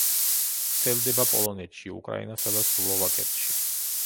ვრცელდება პოლონეთში, უკრაინასა და სლოვაკეთში.